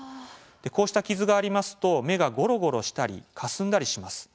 こうした傷がありますと、目がゴロゴロしたりかすんだりします。